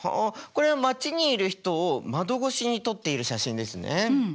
これは街にいる人を窓越しに撮っている写真ですね。